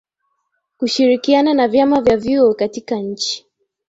Kushirikiana na vyama na vyuo katika nchi